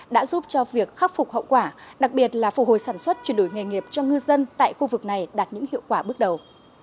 đã giúp cho việc khắc phục hậu quả đặc biệt là phụ hồi sản xuất chuyển đổi nghề nghiệp cho ngư dân tại khu vực này đạt những hiệu quả bước đầu